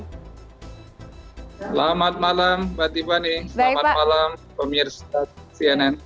selamat malam mbak tiffany selamat malam pemirsa cnn